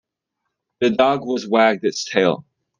The dog was wagged its tail.